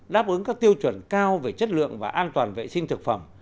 đáp ứng các tiêu chuẩn cao về chất lượng và an toàn vệ sinh thực phẩm